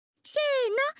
せの！